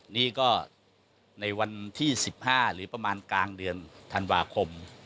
นี่ก็ในวันที่๑๕หรือประมาณกลางเดือนธันวาคม